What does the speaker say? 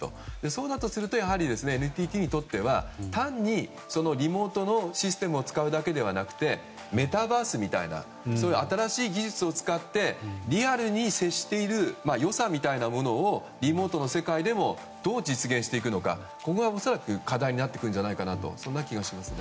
そうだとするとＮＴＴにとっては単にリモートのシステムを使うだけではなくてメタバースみたいな新しい技術を使ってリアルに接している良さみたいなものをリモートの世界でもどう実現していくのかが課題になっていくんじゃないかという気がします。